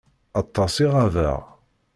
Aṭas i ɣabeɣ.